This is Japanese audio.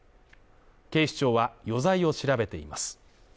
警視庁は余罪を調べています。